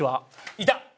いた！